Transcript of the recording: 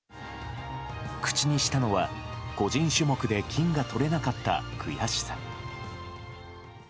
口にしたのは、個人種目で金がとれなかった悔しさ。